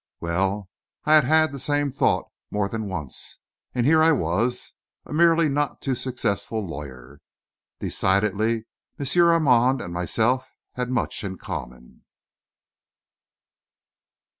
Well, I had had the same thought, more than once and here was I, merely a not too successful lawyer. Decidedly, M. Armand and myself had much in common!